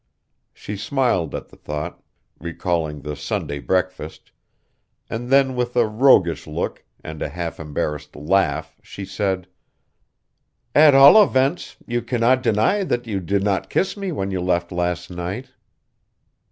She smiled at the thought, recalling the Sunday breakfast, and then with a roguish look and a half embarrassed laugh she said: "At all events you cannot deny that you did not kiss me when you left last night."